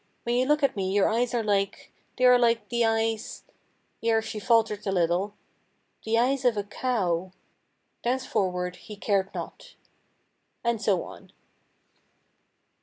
When you look at me your eyes are like—they are like the eyes"—here she faltered a little—"the eyes of a cow." Thenceforward he cared not ... And so on.